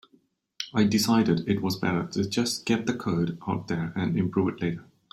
I decided it was better to just get the code out there and improve it later.